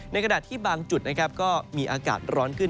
ในขณะที่บางจุดนะครับก็มีอากาศร้อนขึ้น